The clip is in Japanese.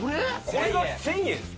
これが１，０００円ですか？